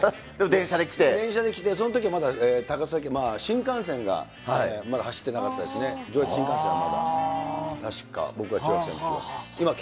電車で来て、そのときはまだ高崎、新幹線がまだ走ってなかったですね、上越新幹線はまだ、確か僕が中学生のときは。